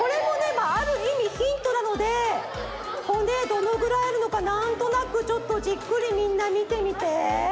まああるいみヒントなので骨どのぐらいあるのかなんとなくちょっとじっくりみんなみてみて。